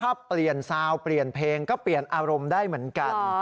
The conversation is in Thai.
ถ้าเปลี่ยนซาวเปลี่ยนเพลงก็เปลี่ยนอารมณ์ได้เหมือนกัน